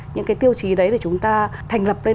những cái tiêu chí đấy để chúng ta thành lập lên các quy trình